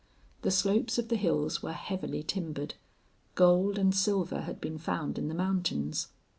The slopes of the hills were heavily timbered; gold and silver had been found in the mountains.